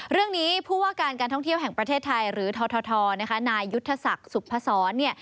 เรื่องนี้ผู้ว่าการการท่องเที่ยวแห่งประเทศไทยหรือททนะคะนายยุทธศักดิ์สุพศรเนี่ย